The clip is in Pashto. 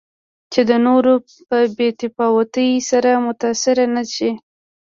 چې د نورو په بې تفاوتۍ سره متأثره نه شي.